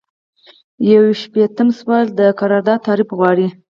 یو شپیتم سوال د قرارداد تعریف غواړي.